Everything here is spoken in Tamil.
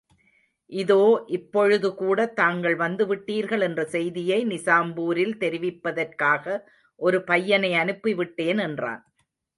இதோ, இப்பொழுது கூடத்தாங்கள் வந்துவிட்டீர்கள் என்ற செய்தியை, நிசாம்பூரில் தெரிவிப்பதற்காக ஒரு பையனை அனுப்பிவிட்டேன் என்றான்.